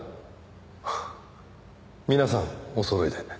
フッ皆さんおそろいで。